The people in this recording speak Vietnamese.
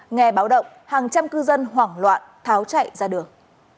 nghe báo động hàng trăm cư dân hoảng loạn tháo chạy ra đường